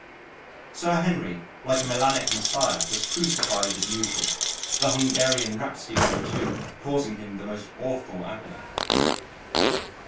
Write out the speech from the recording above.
Sir Henry like a melanic Messiah was crucified as usual, the Hungarian Rhapsody No. 2 causing him the most awful agony....